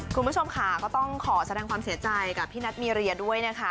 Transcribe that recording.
คุณผู้ชมค่ะก็ต้องขอแสดงความเสียใจกับพี่นัทมีเรียด้วยนะคะ